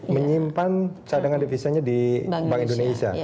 menyimpan cadangan devisanya di bank indonesia